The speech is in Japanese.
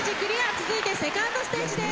続いてセカンドステージです。